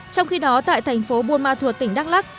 trong khi đó tại thành phố buôn ma thuột tỉnh đắk lắc